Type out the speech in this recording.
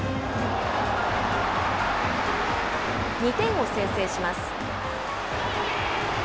２点を先制します。